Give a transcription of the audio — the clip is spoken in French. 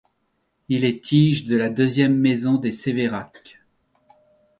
Il est tige de la deuxième Maison des Sévérac.